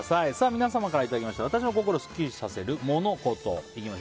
皆様からいただいた、私の心をスッキリさせるモノ・コト。